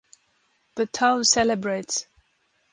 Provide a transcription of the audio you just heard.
The town celebrates.